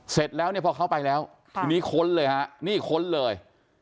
เสร็จแล้วเนี่ยพอเข้าไปแล้วทีนี้ค้นเลยฮะนี่ค้นเลย